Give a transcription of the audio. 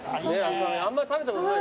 あんま食べたことないでしょ。